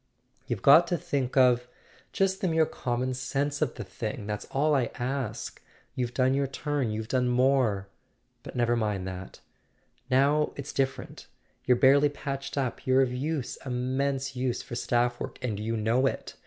"You've got to think of—just the mere common sense of the thing. That's all I ask. You've done your turn; you've done more. But never mind that. Now it's differ¬ ent. You're barely patched up: you're of use, immense use, for staff work, and you know it.